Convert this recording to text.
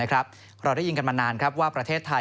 เราได้ยินกันมานานว่าประเทศไทย